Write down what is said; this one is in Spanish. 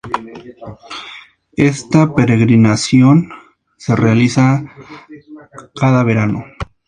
Esta peregrinación se realiza cada verano.